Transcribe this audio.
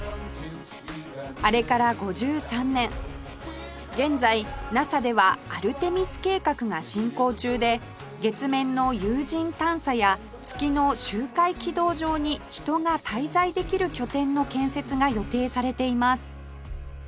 あれから５３年現在 ＮＡＳＡ ではアルテミス計画が進行中で月面の有人探査や月の周回軌道上に人が滞在できる拠点の建設が予定されています